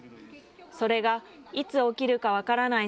それがいつ起きるか分からない